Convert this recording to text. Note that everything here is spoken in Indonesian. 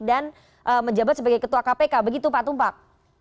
dan menjabat sebagai ketua kpk begitu pak tubak